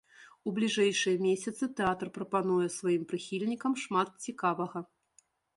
У бліжэйшыя месяцы тэатр прапануе сваім прыхільнікам шмат цікавага.